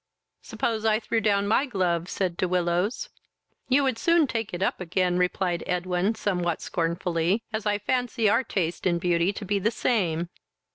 "Suppose I threw down my glove," said de Willows." "You would soon take it up again, (replied Edwin, somewhat scornfully,) as I fancy our taste in beauty to be the same."